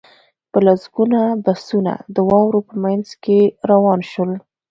په لسګونه بسونه د واورو په منځ کې روان شول